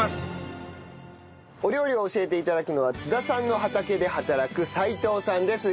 お料理を教えて頂くのは津田さんの畑で働く齋藤さんです。